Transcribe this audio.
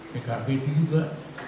pkb itu juga